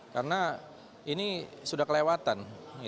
karena ini sudah kelewatan